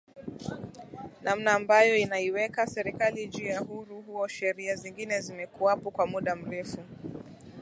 namna ambayo inaiweka Serikali juu ya uhuru huo Sheria zingine zimekuwapo kwa muda mrefu